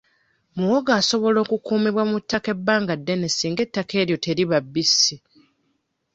Muwogo asobola okukuumibwa mu ttaka ebbanga ddene singa ettaka eryo teriba bbisi.